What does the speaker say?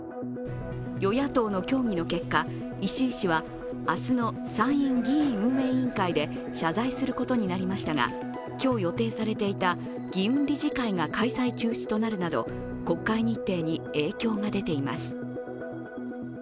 与野党の協議の結果、石井氏はあすの参院・議院運営委員会で謝罪することになりましたが今日予定されていた議運理事会が開催中止となるなど国会日程に影響が出ています。